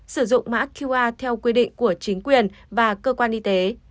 sử dụng mã qr theo quy định của chính quyền và cơ quan y tế